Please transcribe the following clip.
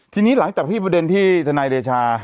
ทีนี้หลังจากที่ประเด็นที่ทนายเดชา